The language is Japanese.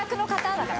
だから。